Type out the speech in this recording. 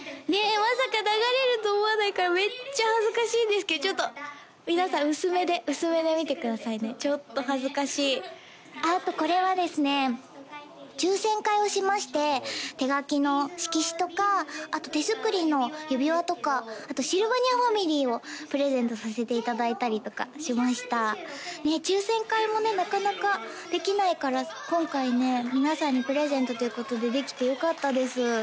まさか流れると思わないからめっちゃ恥ずかしいんですけどちょっと皆さん薄目で薄目で見てくださいねちょっと恥ずかしいあとこれはですね抽選会をしまして手描きの色紙とかあと手作りの指輪とかあとシルバニアファミリーをプレゼントさせていただいたりとかしました抽選会もねなかなかできないから今回ね皆さんにプレゼントということでできてよかったです